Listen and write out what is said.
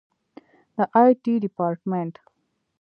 د آی ټي ډیپارټمنټ